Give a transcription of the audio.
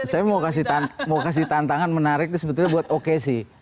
saya mau kasih tantangan menarik nih sebetulnya buat oke sih